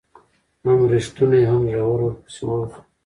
هم ريښتونى هم زړه ور ورپسي ووزه